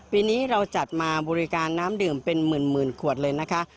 ปีนี้เราจัดมาบริการน้ำดื่มเป็นหมื่นขวดเลยนะคะ